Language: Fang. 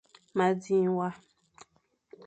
Ma dzing wa.